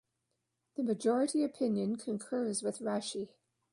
The majority opinion concurs with Rashi.